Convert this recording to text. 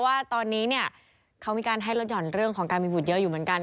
ว่าตอนนี้เนี่ยเขามีการให้ลดหย่อนเรื่องของการมีบุตรเยอะอยู่เหมือนกัน